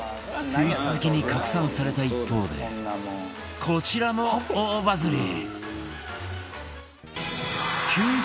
スイーツ好きに拡散された一方でこちらも大バズり